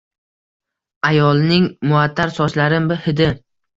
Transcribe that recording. Ayolning muattar sochlarin hidi